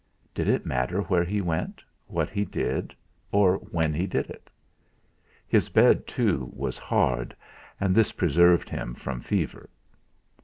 Did it matter where he went, what he did, or when he did it? His bed, too, was hard, and this preserved him from fever.